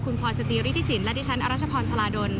คุณพลอยสจีริฐิสินทร์และดิฉันอรัชพรธราดล